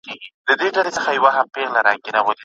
ته هغه یې چي په پاڼود تاریخ کي مي لوستلې